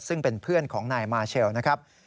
ซึ่งเป็นเพื่อนของนายมาเชลนะครับ